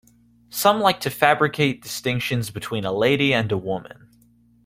Some like to fabricate distinctions between a lady and a woman.